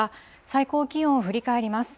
最高気温を振り返ります。